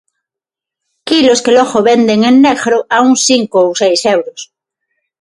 Quilos que logo venden en negro a uns cinco ou seis euros.